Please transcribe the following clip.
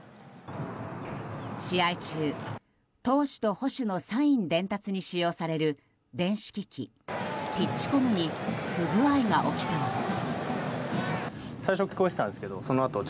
試合中、投手と捕手のサイン伝達に使用される電子機器ピッチコムに不具合が起きたのです。